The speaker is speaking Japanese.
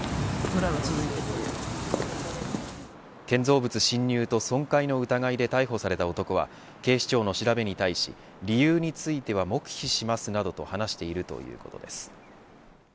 建造物侵入と損壊の疑いで逮捕された男は警視庁の調べに対し、理由については黙秘しますなどと話しているということです。